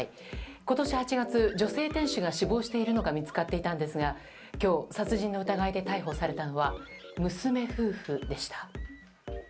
今年８月女性店主が死亡しているのが見つかっていたんですが今日、殺人の疑いで逮捕されたのは娘夫婦でした。